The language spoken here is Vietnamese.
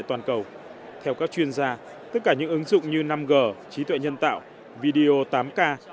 theo các chuyên gia tất cả những ứng dụng như năm g trí tuệ nhân tạo video tám k